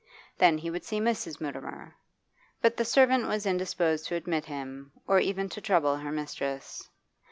Then he would see Mrs. Mutimer. But the servant was indisposed to admit him, or even to trouble her mistress.